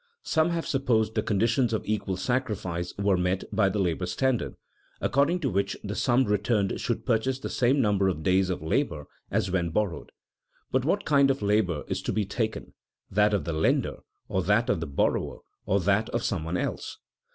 Some have supposed the conditions of equal sacrifice were met by the labor standard, according to which the sum returned should purchase the same number of days of labor as when borrowed. But what kind of labor is to be taken, that of the lender or that of the borrower, or that of some one else?